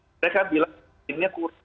mereka bilang vaksinnya kurang